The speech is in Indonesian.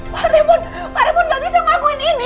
pak remon pak remon gak bisa mengakuin ini